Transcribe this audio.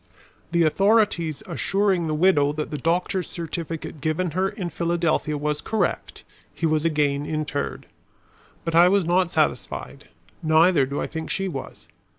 The authorities assuring the widow that the doctor's certificate given her in Philadelphia was correct, he was again interred. But I was not satisfied; neither do I think she was.